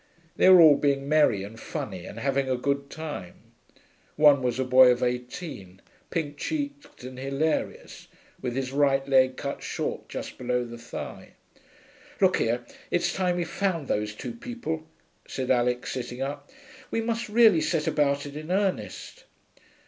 They were all being merry and funny and having a good time. One was a boy of eighteen, pink cheeked and hilarious, with his right leg cut short just below the thigh. 'Look here, it's time we found those two people,' said Alix, sitting up. 'We must really set about it in earnest.'